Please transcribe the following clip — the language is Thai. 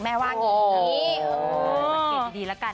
แม่ว่างี้